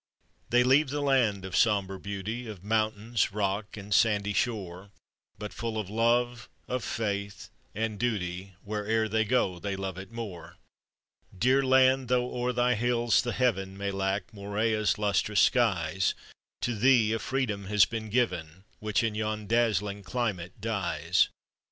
They leave the land of sombre beauty Of mountains, rock and sandy shore, But full of love, of faith, and duty, Where ere they go they love it more. Dear land, tho' o'er thy hills, the heaven May lack Morea's lustrous skies To thee a freedom has been given Which in yon dazzling climate dies.